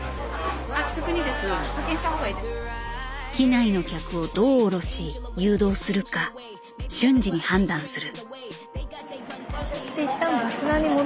機内の客をどう降ろし誘導するか瞬時に判断する。